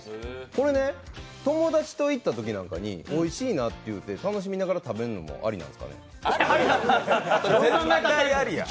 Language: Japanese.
これね、友達と行ったときなんかに、おいしいなって言って楽しみながら食べるのもアリですかね？